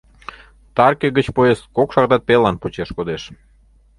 — Таркӧ гыч поезд кок шагатат пелылан почеш кодеш.